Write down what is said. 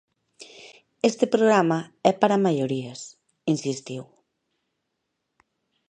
"Este programa é para maiorías", insistiu.